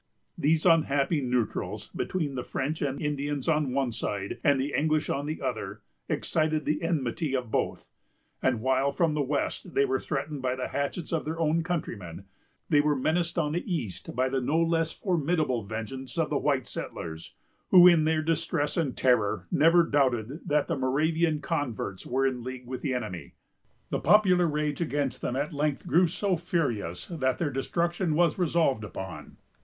These unhappy neutrals, between the French and Indians on the one side, and the English on the other, excited the enmity of both; and while from the west they were threatened by the hatchets of their own countrymen, they were menaced on the east by the no less formidable vengeance of the white settlers, who, in their distress and terror, never doubted that the Moravian converts were in league with the enemy. The popular rage against them at length grew so furious, that their destruction was resolved upon.